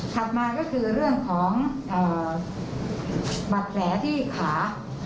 ถัดมาก็คือเรื่องของเอ่อบัตรแหละที่ขา